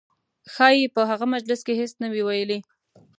ښایي په هغه مجلس کې هېڅ نه وي ویلي.